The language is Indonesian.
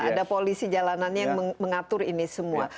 ada polisi jalanannya yang mengatur ini semua